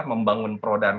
membangun pro dan